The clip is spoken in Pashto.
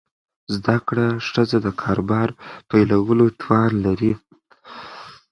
زده کړه ښځه د کاروبار پیلولو توان لري.